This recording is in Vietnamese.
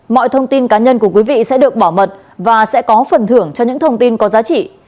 mọi thông tin cá nhân của quý vị sẽ được bảo mật và sẽ có phần thưởng cho những thông tin có giá trị